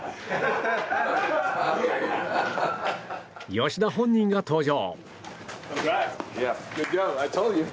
吉田本人が登場。